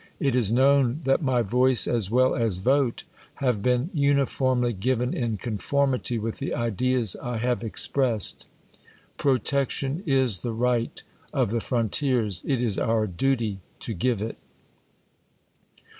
it is known that my voice as well as vote have been uniformly given in conformity with the ideas I have expressed. Protection is the right of the frontiers ; it IS our duty to give it.